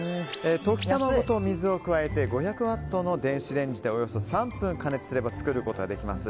溶き卵と水を加えて５００ワットの電子レンジでおよそ３分加熱すれば作ることができます。